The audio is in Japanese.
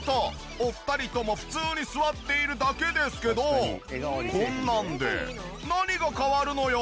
お二人とも普通に座っているだけですけどこんなんで何が変わるのよ？